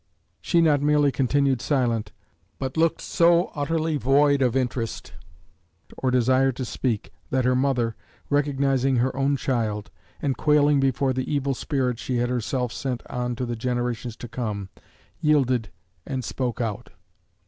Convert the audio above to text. She not merely continued silent, but looked so utterly void of interest, or desire to speak, that her mother, recognizing her own child, and quailing before the evil spirit she had herself sent on to the generations to come, yielded and spoke out.